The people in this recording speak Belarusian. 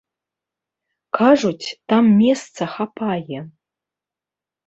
Кажуць, там месца хапае.